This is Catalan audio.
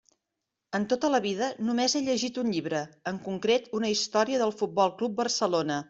En tota la vida només he llegit un llibre, en concret una història del Futbol Club Barcelona.